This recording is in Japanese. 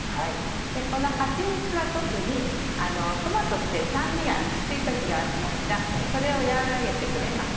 このはちみつは特にトマトって酸味がきつい時がありますがそれを和らげてくれます。